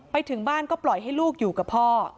ไปถึงบ้านก็ปล่อยให้ลูกอยู่กับพ่อ